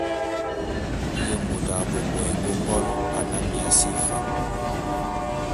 Ye môt a bo a bo'ok éngôngol ane mô Amiasi Fan?